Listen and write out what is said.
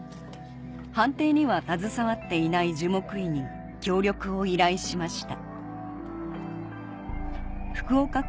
判定には携わっていない樹木医に協力を依頼しました